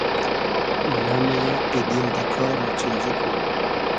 نۂ مئیۂ ای دیل دۂ کار ، اۉچیلجی کو